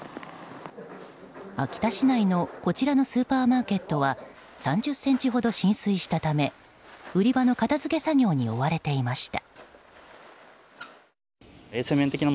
秋田市内のこちらのスーパーマーケットは３０ｃｍほど浸水したため売り場の片づけ作業に追われていました。